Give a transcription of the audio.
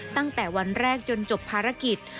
ตั้งแต่วันแรกจนจบภารกิจ